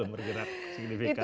belum bergerak signifikan